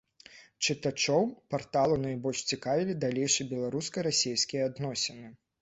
Чытачоў парталу найбольш цікавілі далейшыя беларуска-расейскія адносіны.